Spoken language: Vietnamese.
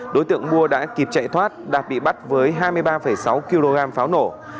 đối tượng mua đã kịp chạy thoát đạt bị bắt với hai mươi ba sáu kg pháo nổ